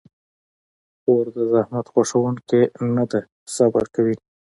خور د زحمت خوښونکې نه ده، خو صبر کوي.